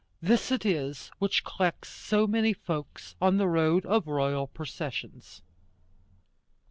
This it is which collects so many folks on the road of royal processions.